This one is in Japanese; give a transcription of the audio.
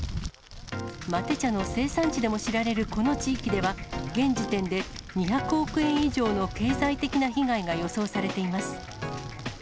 マテ茶の生産地としても知られるこの地域では、現時点で２００億円以上の経済的な被害が予想されています。